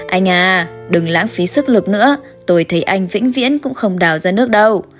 anh à đừng lãng phí sức lực nữa tôi thấy anh vĩnh viễn cũng không đảo ra nước đâu